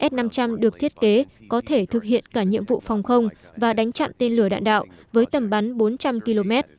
s năm trăm linh được thiết kế có thể thực hiện cả nhiệm vụ phòng không và đánh chặn tên lửa đạn đạo với tầm bắn bốn trăm linh km